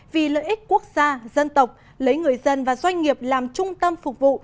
vì lợi ích quốc gia dân tộc lấy người dân và doanh nghiệp làm trung tâm phục vụ